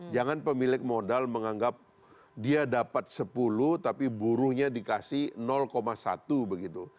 jangan pemilik modal menganggap dia dapat sepuluh tapi buruhnya dikasih satu begitu